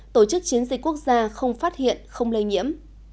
tổ chức chiến dịch quốc gia không phát hiện không lây nhiễm